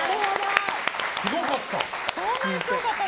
すごかった。